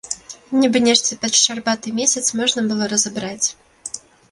Нібы нешта пад шчарбаты месяц можна было разабраць.